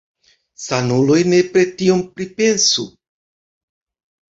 Sanuloj nepre tion pripensu.